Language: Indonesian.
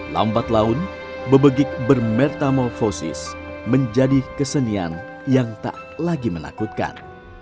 lambat laun bebegik bermertamolfosis menjadi kesenian yang tak lagi menakutkan